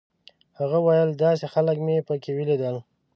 هغه ویل داسې خلک مې په کې ولیدل.